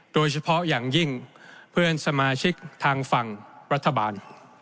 โดยเฉพาะอย่างยิ่งเพื่อนสมาชิกทางฝั่งรัฐบาล